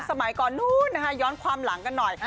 สมัยก่อนนู้นนะคะย้อนความหลังกันหน่อย